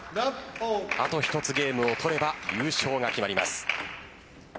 あと１つゲームを取れば優勝が決まります。